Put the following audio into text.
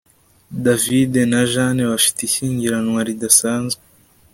David na Jane bafite ishyingiranwa ridasanzwe